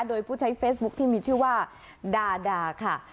โดยผู้ใช้เฟซบุ๊คที่มีชื่อว่าดาดาค่ะ